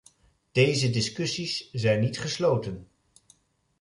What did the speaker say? Deze discussies zijn niet gesloten.